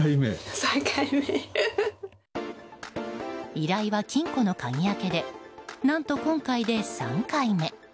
依頼は金庫の鍵開けで何と、今回で３回目。